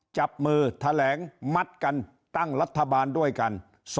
จับมือแถลงมัดกันตั้งรัฐบาลด้วยกัน